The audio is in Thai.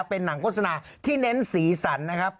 เป็นหนังโฆษณาที่เน้นสีสันนะครับ